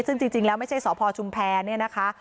ซึ่งจริงแล้วไม่ใช่สพชุมแพรเนี่ยนะคะ